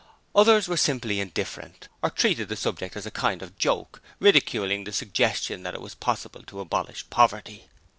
Others were simply indifferent, or treated the subject as a kind of joke, ridiculing the suggestion that it was possible to abolish poverty.